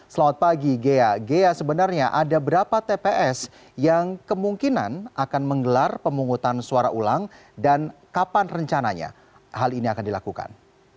selamat pagi ghea ghea sebenarnya ada berapa tps yang kemungkinan akan menggelar pemungutan suara ulang dan kapan rencananya hal ini akan dilakukan